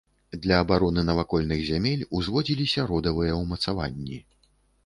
Для абароны навакольных зямель узводзіліся родавыя ўмацаванні.